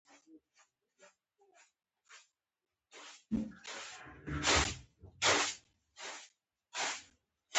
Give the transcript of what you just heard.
مــــــــا د عـــــــقل ګــــمراهانو د مغان در اباد کړی